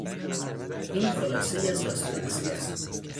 این خلاصهای از داستان اصلی است.